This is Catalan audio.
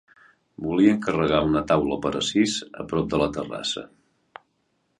Volia encarregar una taula per a sisa prop de la terrassa.